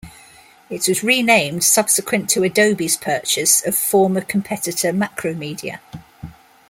It was renamed subsequent to Adobe's purchase of former competitor Macromedia.